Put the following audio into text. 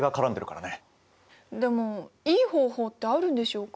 でもいい方法ってあるんでしょうか？